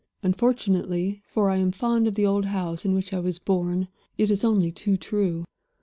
Unfortunately (for I am fond of the old house in which I was born) it is only too true.